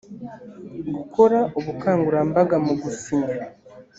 gukora ubukangurambaga mu gusinya